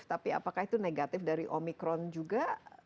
tapi apakah itu negatif dari omikron juga